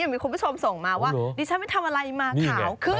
มีคุณผู้ชมส่งมาว่าดิฉันไปทำอะไรมาขาวขึ้น